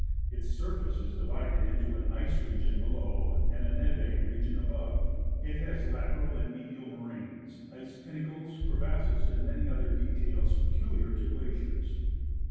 Its surface is divided into an ice region below and a neve region above. It has lateral and medial moraines, ice pinnacles, crevasses, and many other details peculiar to glaciers.